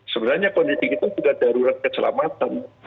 sebenarnya kondisi itu juga darurat keselamatan